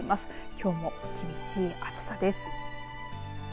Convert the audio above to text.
きょうも厳しい暑さです。